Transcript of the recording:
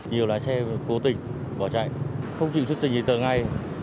nhiều lái xe cố tình bỏ chạy không chịu xuất trình gì từ ngay